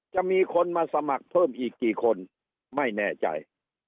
จะมีคนมาสมัครเพิ่มอีกกี่คนไม่แน่ใจ